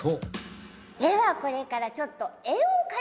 ではこれからちょっとえっ？